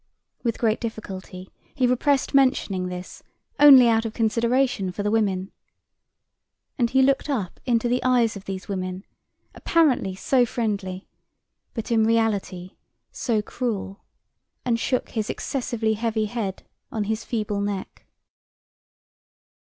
With great difficulty he repressed mentioning this only out of consideration for the women. And he looked up into the eyes of these women, apparently so friendly but in reality so cruel, and shook his excessively heavy head on his feeble neck.